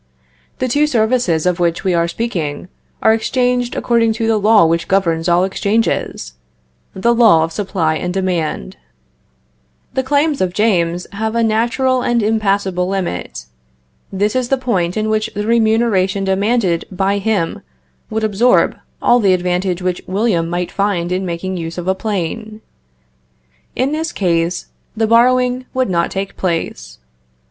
The two services of which we are speaking are exchanged according to the law which governs all exchanges, the law of supply and demand. The claims of James have a natural and impassable limit. This is the point in which the remuneration demanded by him would absorb all the advantage which William might find in making use of a plane. In this case, the borrowing would not take place.